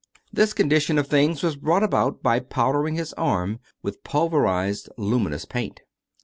^ This condition of things was brought about by powder ing his arm with pulverized luminous paint.